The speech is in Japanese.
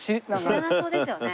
知らなそうですよね。